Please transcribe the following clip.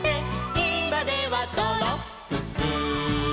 「いまではドロップス」